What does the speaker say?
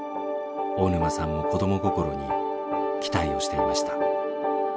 大沼さんも子ども心に期待をしていました。